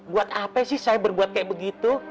buat apa sih saya berbuat kayak begitu